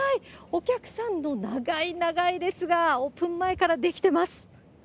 お客さんの長い長い列がオープン前から出来てます。